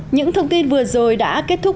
những thông tin vừa rồi đã kết thúc